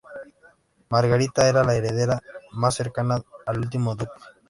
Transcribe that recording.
Margarita era la heredera más cercana al último duque.